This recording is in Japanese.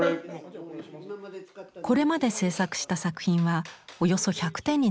これまで制作した作品はおよそ１００点に上ります。